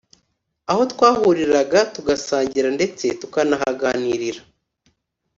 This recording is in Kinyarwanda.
aho twahahuriraga tugasangira ndetse tukanahaganirira